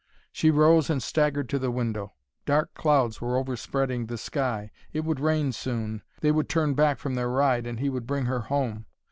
She rose and staggered to the window. Dark clouds were overspreading the sky. It would rain soon, they would turn back from their ride, and he would bring her home.